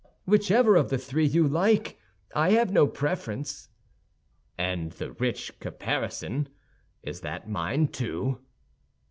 "Whichever of the three you like, I have no preference." "And the rich caparison, is that mine, too?"